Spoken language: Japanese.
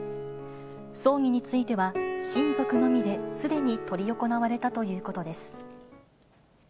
葬儀については、親族のみですでに執り行われたということです。